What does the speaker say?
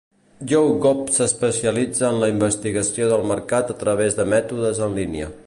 YouGov s'especialitza en la investigació del mercat a través de mètodes en línia.